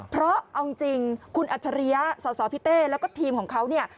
เพราะเอาจริงคุณอัจฉริยะสสพี่เต้แล้วก็ทีมของเขาเนี่ย